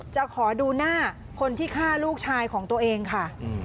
จะขอดูหน้าคนที่ฆ่าลูกชายของตัวเองค่ะ